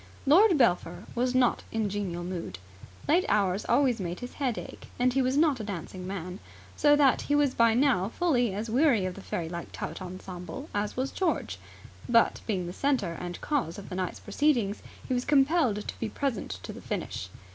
Lord Belpher was not in genial mood. Late hours always made his head ache, and he was not a dancing man; so that he was by now fully as weary of the fairylike tout ensemble as was George. But, being the centre and cause of the night's proceedings, he was compelled to be present to the finish.